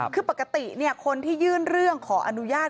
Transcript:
คือปกติคนที่ยื่นเรื่องขออนุญาต